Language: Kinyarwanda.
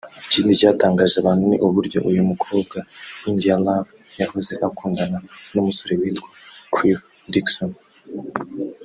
Ikindi cyatangaje abantu ni uburyo uyu mukobwa India Love yahoze akundana n’umusore witwa Cliff Dixon